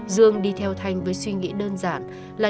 dương đi theo thanh với suy nghĩa là